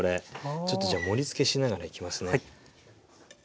ちょっとじゃあ盛りつけしながらいきますね。